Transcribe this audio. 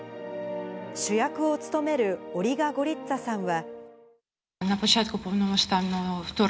主役を務めるオリガ・ゴリッツァさんは。